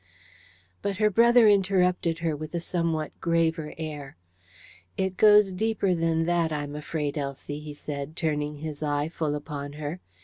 But her brother interrupted her with a somewhat graver air: "It goes deeper than that, I'm afraid, Elsie," he said, turning his eye full upon her.